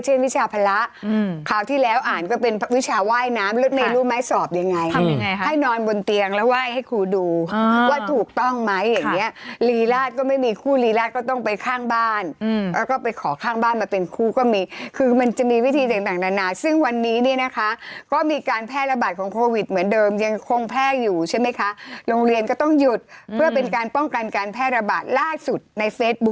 เป็นวิชาภาระคราวที่แล้วอ่านก็เป็นวิชาไหว้น้ำหรือไม่รู้ไม้สอบยังไงให้นอนบนเตียงแล้วไหว้ให้ครูดูว่าถูกต้องมั้ยอย่างเนี้ยลีลาศก็ไม่มีคู่ลีลาศก็ต้องไปข้างบ้านอืมแล้วก็ไปขอข้างบ้านมาเป็นคู่ก็มีคือมันจะมีวิธีต่างต่างนานานซึ่งวันนี้เนี้ยนะคะก็มีการแพร่ระบาดของโควิดเหมือนเดิมยั